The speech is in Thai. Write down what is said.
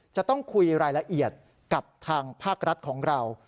จะต้องคุยรายละเอียดกับทางภาครัฐของเรา